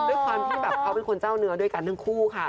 ด้วยความที่แบบเขาเป็นคนเจ้าเนื้อด้วยกันทั้งคู่ค่ะ